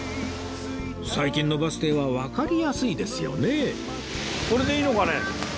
最近のバス停はわかりやすいですよね